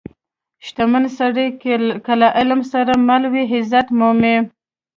• شتمن سړی که له علم سره مل وي، عزت مومي.